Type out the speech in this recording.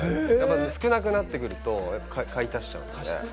少なくなってくると買い足しちゃうんで。